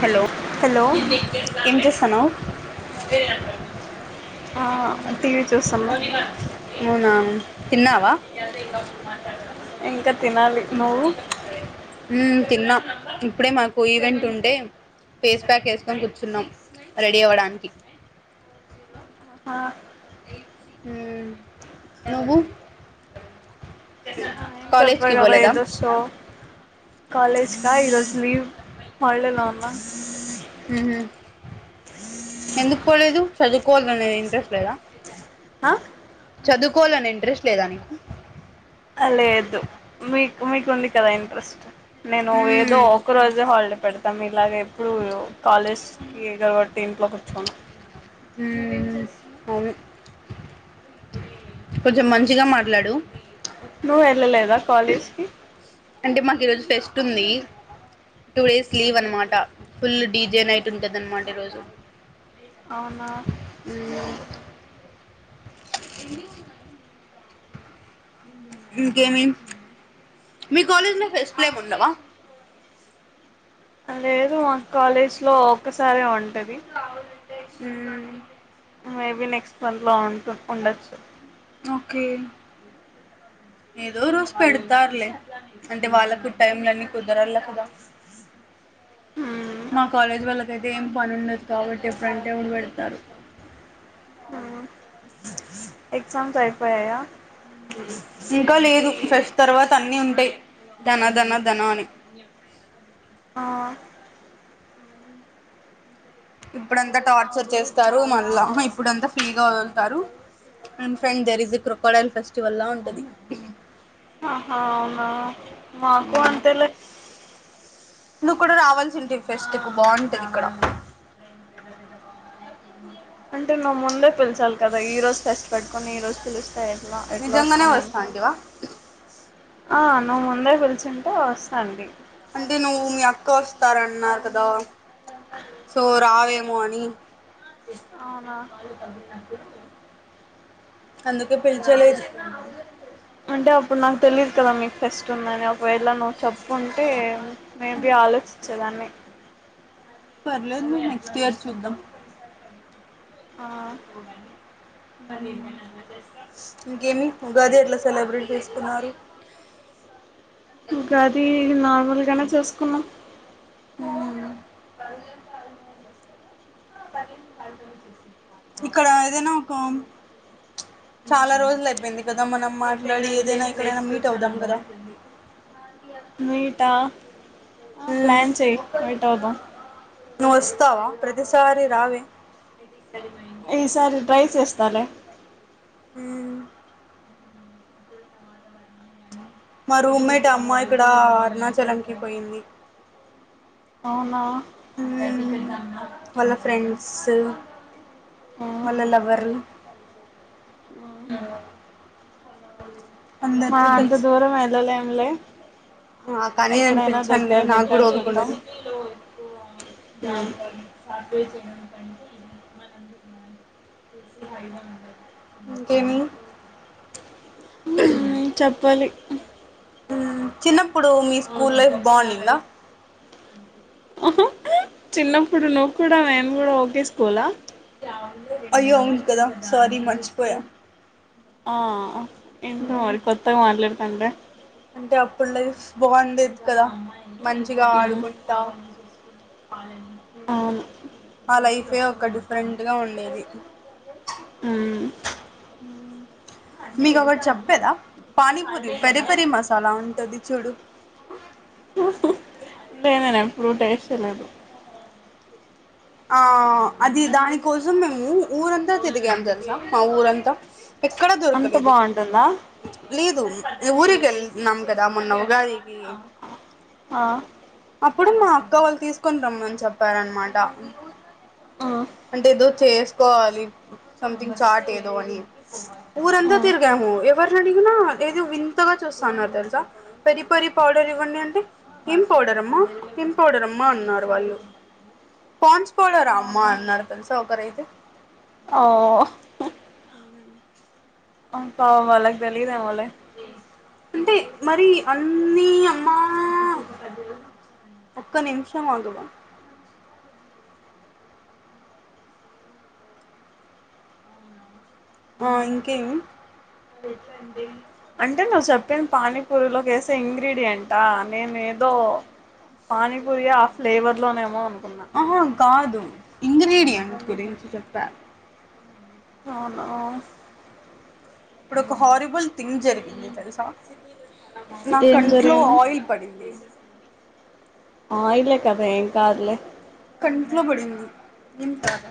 Hello hello ఎంత సనవు బ ఆ టీవీ చూస్తున్నా ప మవున్నా తిన్నావా ఇంకా తినాలి నువ్వు మ్మ్ తిన్నా ఇప్పుడే మాకు్యగంటట్ ఉండంది వ ర అ ఆ ను్వు అ చెప్ప కర ఏద సో కాలేజ్ యిలో స్లీవ మడళ లోన్నా మ్మ్ ఎందుకు పోలేదు చదువుకోవాలనేది ఇంట్రెస్ట్ లేదా ఆ చదువుకోవాలని ఇంట్రెస్ట్ లేదా నీకు లేదు మీకు మీకు ఉంది కదా ఇంట్రెస్ట్ నేను ఏదో మ్మ్ ఒకకు రోజే వాళ్ళ పెడత మలాగా ఇప్పుడు కాలేజ్ కి కలబ టేంప్లోకి వచ్చాను అ అను కొంచెం మంచిగా మాట్లాడు నువ్వు వెళ్ళలేదా కాలేజ్కి అంటే మాకు ఈరోజు ఫెస్ట్ ఉంది టూ డేస్ లీవ్ అనమాట ఫుల్ డీజే నైట్ ఉంటది అనమాట ఈరోజు అవునా ఇన్ని ఇంకేమి మీ కాలజ్ ఫస్ట్ పైమ్ ఉండవా లేదు మా కాలేజ్ లో ఒకసారి ఉం రవి ఉవు మేబి నెక్స్ట్ మంత్ లో ఉంటు ఉండొచ్చు ఓకే ఏదో రోజు పెడతారులే అంటే వాళ్ళకు టైంలన్ని కుదరలా కదా ఉండొచ్చు మా కాలేజ్ వాళ్ళకయితే ఏం పని ఉండదు కాబట్టి ఎప్పుడంటే అప్పుడు పెడతారు ఎగ్జామ్స్ అయిపోయయా ఇంకా లేదు ఫ్రెష్ట్ తర్వాత అన్ని ఉంటాయి ధనాధన ధన అని ఆ ఇప్పుడంతా టార్చర్ చేస్తారు మళ్ళా ఇప్పుడంతా ఫ్రీ గా వాదుల్తారు in front there is a crocodile festival లా ఉంటది ఆహా అవునా మాకు అంతే లే నువ్వు కూడా రావాల్సి ఉంటే ఫెస్ట్ కు బాగుంటది ఇక్కడ అంటే నువ్వు ముందే పలిచాలి కదా ఈ రోజు ఫెస్ట్ పెట్టుకొని ఈరోజు పిలుస్తా ఎట్లా ఎట్లా ఓస్తా నిజంగానే నేను వస్తాంటివా ఆ నువ్వు ముందే పిలిచుంటే వస్తా అండి అంటే నువ్వు మీ అక్క వస్తారన్నారు కదా సో రావేమో అని అవునా అందుకే పిలిచలేదు అంటే అప్పుడు నాకు తెలీయదు కదా మీకు ఫెస్ట్ ఉందని ఒకవేళ నువ్వు చెప్పుంటే మేబీ ఆలోచించేదాన్ని పర్లేదు మ నెక్స్ట్ ఇయర్ చూద్దాం ఆ ఇంకేమి ఉగాది ఎట్లా సెలబ్రేట్ చేసుకున్నారు ఉగది నార్మల్ ఈడనే చేసుకున్నాం ఊమ్ ఇక్కడ ఏదైనా ఒక ప్చ్ చాలా రోజులు అయిపోయింది కదా మనం మాట్లాడి ఏదైనా ఇక్కడైనా మీట్ అవుదాం గదా మీటా ఆ ప్లాన్ చెయ్ మీట్ అవుదాం నువ్ వస్తావా ప్రతిసారి రావే ఈ సారి ట్రై చేస్ త్తలే ఊమ్ మా రూమ్మేట్ అమ్మాయి కూడా అరుణాచలంకి పోయింది అవునా హుమ్ వాళ్ళ ఫ్రెండ్స్ ఆ వాళ్ళ లవరు మా అంత దూరం ఎళ్ళలేంలే హా కాని అని పిలిచనులే నాకు దగ్గర కూడా చూద్దాం ఓపికుండదు ఉమ్. ఇంకేమి ఉమ్ చెప్పాలి ఊమ్ చిన్నప్పుడు మీ స్కూల్ లైఫ్ బాగుండిందా చిన్నప్పుడు నువ్వు కూడా మేము కూడా ఓకె స్కూలా అయ్యో అవును కదా సారీ మరిచిపోయా ఆ ఏంటో మరి కొత్తగా మాట్లాడు తాండ్రే అంటే అప్పుడు లైఫ్ బాగుండేది కదా, మంచిగా ఉమ్, ఆడుకుంటా, అవును ఆ లైఫే ఒక డిఫరెంట్ గా ఉండేది. ఉమ్. మీకు ఒకటి చెప్పేదా పానీపూరి పెరి పెరి మస్. సాలా ఉంటది చూడు ఏ నేను ఎప్పుడూ టేస్ట్ చేయలేదు ఆ అది దానికోసం మేము ఊర్ ఊరంతా తిరిగాం తెలుసా మా ఊరంతా ఎక్కడ అంత దొరకలేదు బాగుంటుందా లేదు ఊరిగేల్తున్నాం గదా మొన్న ఉగాదికి ఆ, అప్పుడు మా అక్క వాళ్ళు తీసుకుని రమ్మని చెప్పారనమాట ఆ, అంటే ఏదో చేసుకోవాలి సంథింగ్ చాట్ ఏదో అని ఆ, ఊరంతా తిరిగాము ఎవరిని అడిగినా ఏదో వింతగా చూస్తాన్నారు తెలుసా పెరి పెరి పౌడర్ ఇవ్వండి అంటే ఏం పౌడర్ అమ్మా ఏం పౌడర్ అమ్మా అన్నారు వాళ్ళు పాన్స్పోడరా అమ్మ అవునా అన్నారు తెలుసా ఒకరైతే ఓ ఉమ్ అ పా వాళ్ళకి తెలిదేమో లే అంటే మరి అన్ని అమ్మా ఒక్క నిమిషం ఆగవా ఆ ఇంకేమి అంటే నువ్వు చెప్పిన పానీపూరిలోకి వేసే ఇంగ్రీడియంటా నేను ఏదో పానీపూరి ఆ ఫ్లేవర్ లోనేమో ఆహా కాదు ఇంగ్రీడియంట్ గురించి చెప్పా అవును అవును ఇప్పుడు ఒక హారిబుల్ థింగ్ జరిగింది తెలుసా నా ఏం కంట్లో జరిగింది ఆయిల్ పడింది ఆయిలే కద ఏం కాదులే కంట్లో పడింది ఏం కాదా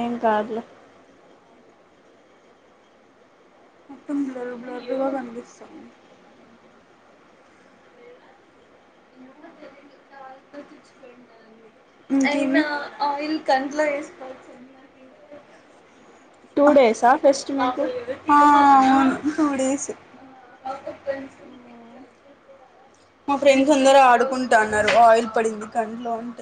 ఏం కాదులే మొత్తం బ్లర్ బ్లర్ గా కనిపిస్తుంది మ్మ్ హ్మ్ టూ డేసా ఫెస్ట్ మీకు ఆ అవును టు డేస్ మా ఫ్రెండ్స్ అందరు ఆడుకుంటాన్నారు ఆయిల్ పడింది కంట్లో అంట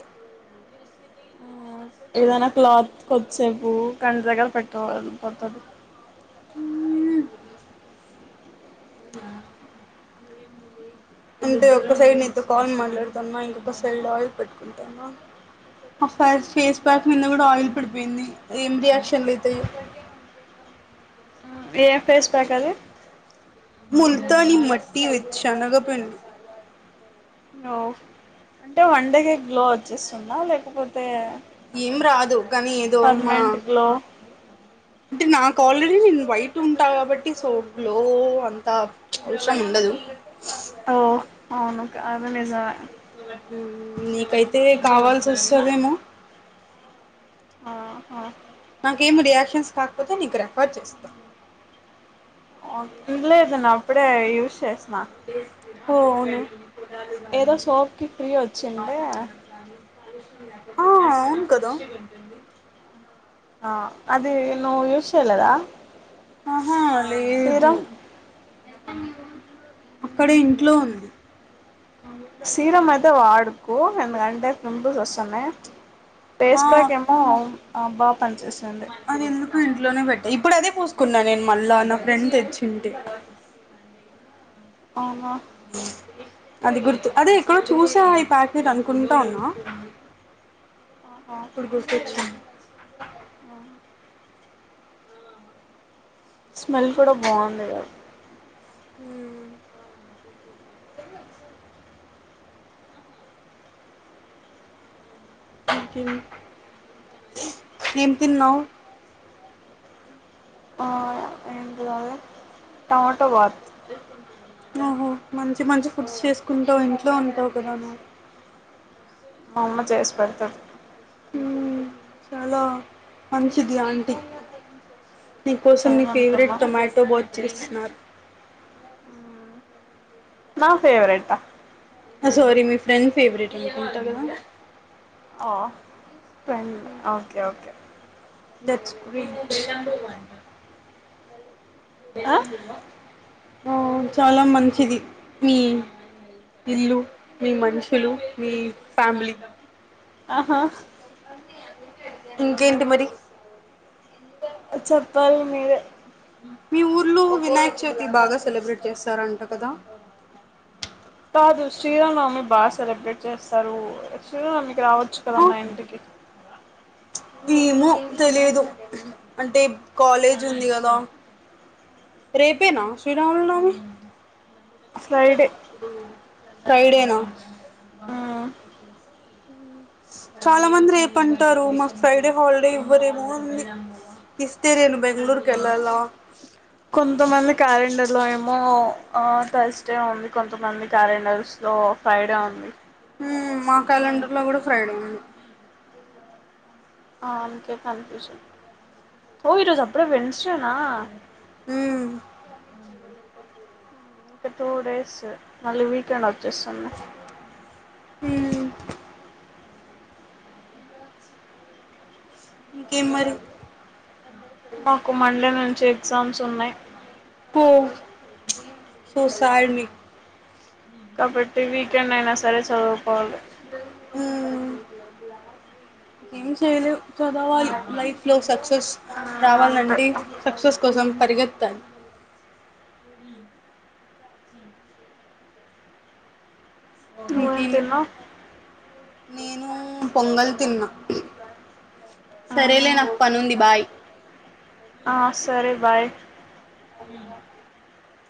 ఏదనా క్లాత్ కొద్దిసేపు కంటి దగ్గర పెట్టు వెల్లి పోతది మ్మ్ అంటే ఒక్క సైడ్ నీతో కాల్ మాట్లాడతాన్న ఇంకొక సైడ్ ఆయిల్ పెట్టుకుంటానా ఒక సైడ్ ఫేస్ ప్యాక్ మీంద కూడా ఆయిల్ పడిపోయింది ఏం రియాక్షన్లు అయితాయో ఏ ఫేస్ ప్యాకది ముల్తాని మట్టి విత్ శనగ పిండి ఓ అంటే వండేకే గ్లో వచ్చేస్తోందా లేకపోతే ఏం రాదు కాని ఏదో మా పర్మనెంట్ గ్లో అంటే నాకు ఆల్రెడీ నేను వైట్ ఉంటా కాబట్టి సో గ్లో అంత అవసరం ఉండదు అవున క అది నిజమే నీకైతే కావాల్సి వస్తదేమో ఆహా నాకేమి రియాక్షన్స్ కాకపోతే నీకు రెఫర్ చేస్తా లేదున అప్పుడే యూజ్ చేస్ హొ అవునా ఏదో సోప్కి ఫ్రీ వచ్చిండడి ఆ ఇ కద ఆ అదిను విూషలదా ఆహా లేదు అక్కడ ఇంట్లో ఉంది సీర అద వాడు ఎందుకంటే ప్రింపుల్స్ వ సమయ ఆ పస్పాక ఏమో బా అది ఎందు క లోనే పెట్టా ఇప్పుడు అదే పూసుకున్నా నేను మళ్ళా నా ఫ్రెండ్ తెచ్చింటే అనా అది గుర్తు అదే ఎక్కడో చూసా ఈ ప్యాకెట్ అనుకుంటా ఉన్నా ఇప్పుడు గుర్తుొచ్చడి ఆ స్మెల్ కూడా బాగుంది కా హ్మ్ ఏం తిన్నావ్ ఆ, ఏంటి అది టమాటో భాత్ నువ్వు మంచి మంచి ఫుడ్స్ చేసుకుంటా ఇంట్లో ఉంటావు కదా నువ్. మా అమ్మ చేసి పెడతది హ్మ్ చాలా మంచిది ఆంటీ నీ కోసం నీ ఫేవరెట్ ఏమనుకున్నా టొమాటో బాత్ చేస్ నాద్ నా ఫేవరెట్ ఆ ఆ సారీ మీ ఫ్రెండ్ ఫెవరెట్ అనుకుంటా కదా ఆ ఓకే ఓకే డచ్ క్రీమ్ హు చాలా మంచిది మీ ఇల్లు, మీ మనుషులు, మీ ఫ్యామిలీ. ఆహా ఇంకేంటి మరి ఓ చెప్పాలి మీరే మీ ఊర్లో వినాయక చవితి బాగా సెలబ్రేట్ చేస్తారంట కదా కాదు శ్రీరానవమి బాగా సెలబ్రేట్ చేస్తారు శ్రీరానమి కి రావచ్చు కదా ఆ మా ఇంటికి ఏమో తెలియదు అంటే కాలేజ్ ఉంది కదా, రేపేనా శ్రీరాముల్ నవమి. స్లైడే ఫ్రైడేనా మ్మ్ చాలా మంది రేపుంటారు మాకు ఫ్రైడే హాలిడే, ఇవ్వరేమోంది ఇస్తే నేను బెంగళూరుకు వెళ్ళాల. కొంతమంది క్యాలెండర్లో ఏమో థర్స్డే ఉంది కొంతమంది క్యాలెండర్స్ లో ఫ్రైడే ఉంది మ్మ్ మా క్యాలెండర్ లో కూడా ఫ్రైడే ఉంది ఆ ఓ ఈరోజప్పుడే వెన్ స్డేనా ఉమ్ మ్మ్ ఇంక టూ డేస్ మళ్ళీ వీకెండ్ వత్ చేస్సున్నా హ్మ్ ఇంకేంమరి మాకు మండే నుంచి ఎగ్ గ్జామ్స్ ఉన్నాయ్ కోవ్ ప్చ్ సో సాడ్ మీకు కాబట్టి వీకెండ్ అయినా సరే చదువుకోవాలి మ్మ్ ఏం చేయలేం చదవాలి లైఫ్ లో సక్సెస్ మ్మ్ అంతే రావాల్నంటే, సక్సెస్ కోసం పరిగెత్తాలి మ్ మీకి నువ్వేం తిన్నావ్ నేనూ పొంగల్ తిన్నా అవునా సరేలే నాకు పనుంది బాయ్ ఆ సరే బాయ్